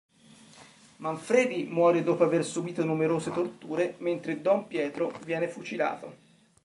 Manfredi muore dopo aver subito numerose torture mentre don Pietro viene fucilato.